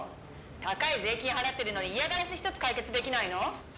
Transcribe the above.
高い税金払ってるのに☎嫌がらせ１つ解決できないの？